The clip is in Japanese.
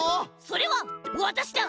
それはわたしだ！